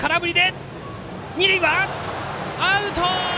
二塁は、アウト！